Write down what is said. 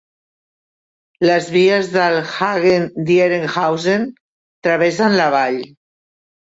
Les vies del Hagen-Dieringhausen travessen la vall.